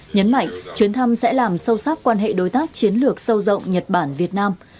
nhấn mạnh chuyến thăm sẽ làm sâu sắc quan hệ đối tác chiến lược sâu rộng nhật bản việt nam